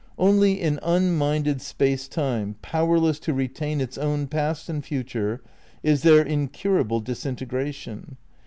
Only in unminded Space Time, powerless to retain its own past and future, is there incurable disintegra tion.